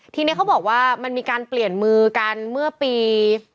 ทีนี้เขาบอกว่ามันมีการเปลี่ยนมือกันเมื่อปี๒๕๖